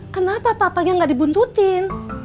kenapa papanya gak dibuntutin